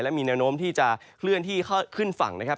และมีแนะนมที่จะเคลื่อนที่ข้อขึ้นฝั่งนะครับ